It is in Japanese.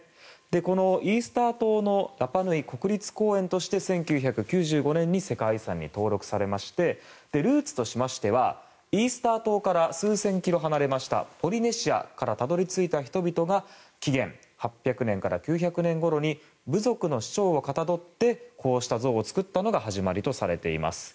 このイースター島のラパ・ヌイ国立公園として１９９５年に世界遺産に登録されルーツとしましてはイースター島から数千ｋｍ離れたポリネシアからたどり着いた人々が紀元８００年から９００年ごろ部族の首長をかたどってこうした像を造ったのが始まりとされています。